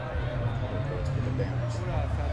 There were color codes for the banners.